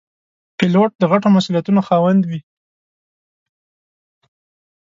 پیلوټ د غټو مسوولیتونو خاوند وي.